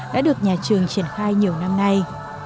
đã được nhà trường triển khai nhiều năm nay